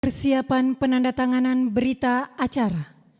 persiapan penandatanganan berita acara